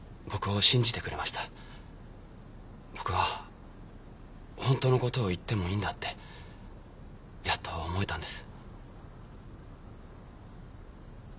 僕は本当の事を言ってもいいんだってやっと思えたんです。